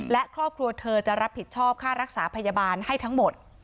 และครอบครัวเธอจะรับผิดชอบค่ารักษาพยาบาลให้ทั้งหมด